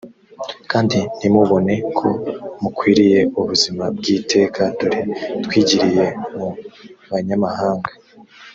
kandi ntimubone ko mukwiriye ubuzima bw iteka dore twigiriye mu banyamahanga